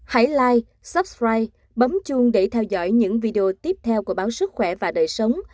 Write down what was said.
hãy like subscribe bấm chuông để theo dõi những video tiếp theo của báo sức khỏe và đời sống